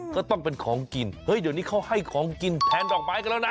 ก็ต้องเป็นของกินเฮ้ยเดี๋ยวนี้เขาให้ของกินแทนดอกไม้กันแล้วนะ